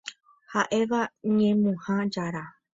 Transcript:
Ha'éva ñemuha jára.